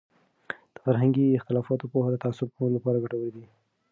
د فرهنګي اختلافاتو پوهه د تعصب کمولو لپاره ګټوره دی.